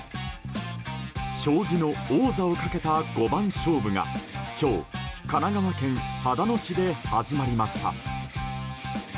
将棋の王座をかけた五番勝負が今日、神奈川県秦野市で始まりました。